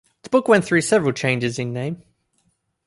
The book went through several changes in name.